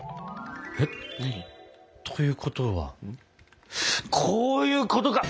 何？ということはこういうことか！